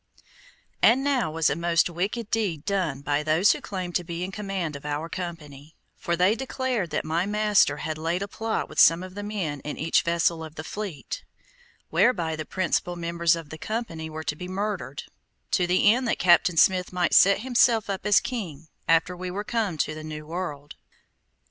And now was a most wicked deed done by those who claimed to be in command of our company, for they declared that my master had laid a plot with some of the men in each vessel of the fleet, whereby the principal members of the company were to be murdered, to the end that Captain Smith might set himself up as king after we were come to the new world.